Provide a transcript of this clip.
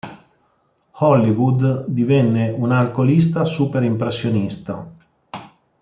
Hollywood divenne un'alcolista "super impressionista".